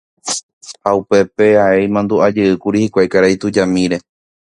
Ha upépe ae imandu'ajeýkuri hikuái karai tujamíre.